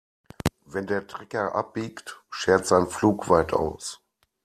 Wenn der Trecker abbiegt, schert sein Pflug weit aus.